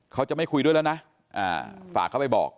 เขาจะไม่คุยด้วยแล้วนะฝากเข้าไปบอก